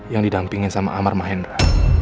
yang didampingin sama amar mahendra